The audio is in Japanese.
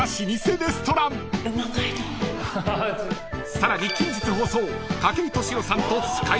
［さらに近日放送］